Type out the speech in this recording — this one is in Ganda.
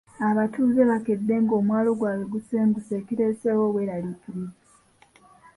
Abatuuze baakedde ng’omwalo gwabwe gusenguse ekireeseewo obweraliikirivu.